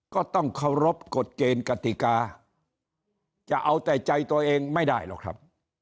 ก็ต้องเคารพกฎเกณฑ์กติกาจะเอาแต่ใจตัวเองไม่ได้หรอกครับ